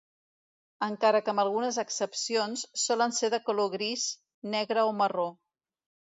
Encara que amb algunes excepcions, solen ser de color gris, negre o marró.